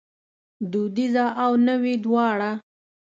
دودیزه او نوې دواړه